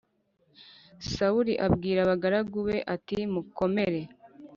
Sawuli abwira abagaragu be ati mukomere